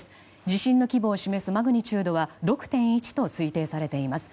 地震の規模を示すマグニチュードは６．１と推定されています。